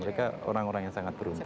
mereka orang orang yang sangat beruntung